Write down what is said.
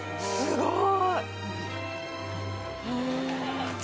すごい。